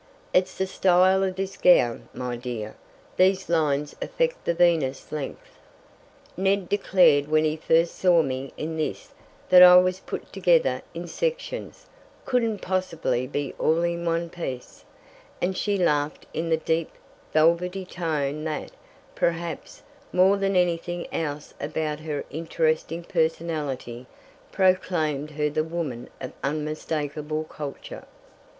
"It's the style of this gown, my dear. These lines affect the Venus length. Ned declared when he first saw me in this that I was put together in sections couldn't possibly be all in one piece," and she laughed in the deep, velvety tone that, perhaps, more than anything else about her interesting personality, proclaimed her the woman of unmistakable culture.